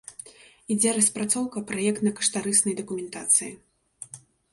Ідзе распрацоўка праектна-каштарыснай дакументацыі.